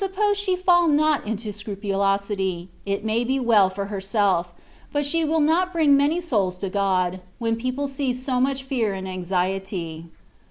pose she fall not into scrupulosity^ it may be well for herself^ but she will not bring many souls to God^ when people see so much fear and anxiety.